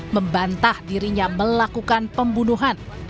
membantah dirinya melakukan pembunuhan